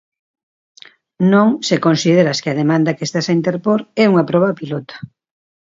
Non, se consideras que a demanda que estás a interpor é unha proba piloto.